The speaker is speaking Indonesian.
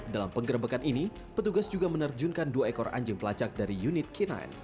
dalam penggerbekan ini petugas juga menerjunkan dua ekor anjing pelacak dari unit k sembilan